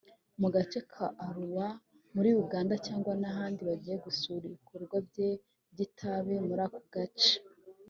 mu gace ka Arua muri Uganda cyangwa n’ahandi bagiye gusura ibikorwa bye by’itabi muri ako gace